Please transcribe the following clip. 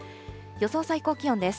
予想最高気温です。